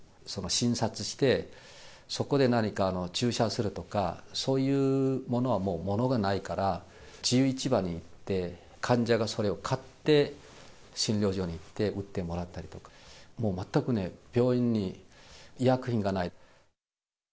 診察して、そこで何か注射するとか、そういうものはもう物がないから、自由市場に行って、患者がそれを買って、診療所に行って打ってもらったりとか、もう全くね、病院に医薬品がない。